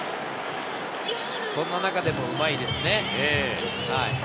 そんな中でもうまいですね。